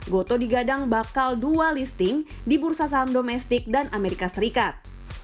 goto digadang bakal dua listing di bursa saham domestik dan amerika serikat